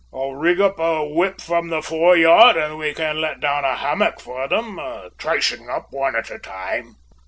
"I'll rig up a whip from the foreyard and we can let down a hammock for 'em, tricing up one at a time."